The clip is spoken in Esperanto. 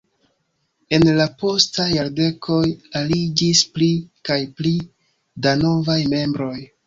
En la postaj jardekoj aliĝis pli kaj pli da novaj membroj.